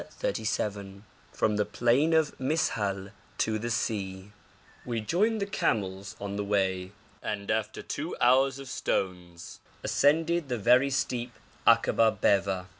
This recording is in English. CHAPTER XXXVII FROM THE PLAIN OF MIS'HAL TO THE SEA We joined the camels on the way, and after two hours of stones ascended the very steep Akaba Beva.